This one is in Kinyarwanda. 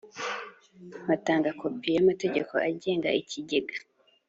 batanga kopi y amategeko agenga ikigega